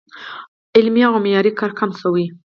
علمي او معیاري کار کم شوی